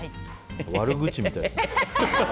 悪口みたいですね。